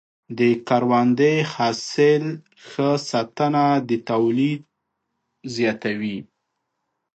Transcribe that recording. د کروندې د حاصل ښه ساتنه د تولید زیاتوي.